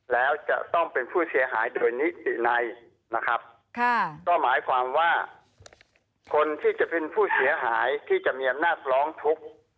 แล้วจะต้องเป็นผู้เสียหายโดยนิติในนะครับก็หมายความว่าคนที่จะเป็นผู้เสียหายที่จะมีอำนาจร้องทุกข์